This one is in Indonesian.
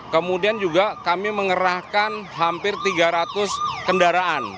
kemudian juga kami mengerahkan hampir tiga ratus kendaraan